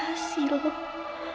aku takut operasi ini gak berhasil